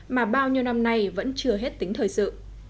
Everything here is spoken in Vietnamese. mà bao nhiêu năm nay vẫn chưa hết tính thời sự